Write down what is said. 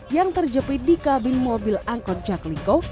yang terjepit di kabin mobil angkot jakliko